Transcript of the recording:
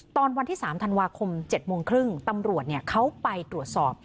ตอนวันที่สามธันวาคมเจ็ดโมงครึ่งตำรวจเนี่ยเขาไปตรวจสอบ